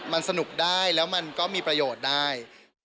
มันสนุกได้แล้วมันก็มีประโยชน์ได้